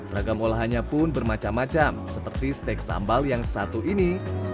ragam olahannya pun bermacam macam seperti steak sambal yang satu ini